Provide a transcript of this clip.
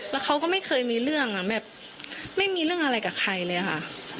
แล้วเขาก็ไม่เคยมีเรื่องอ่ะแบบไม่มีเรื่องอะไรกับใครเลยค่ะ